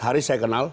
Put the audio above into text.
haris saya kasih tau